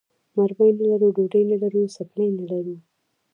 مرمۍ نه لرو، ډوډۍ نه لرو، څپلۍ نه لرو.